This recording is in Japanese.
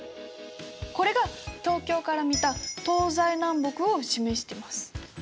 これが東京から見た東西南北を示してます。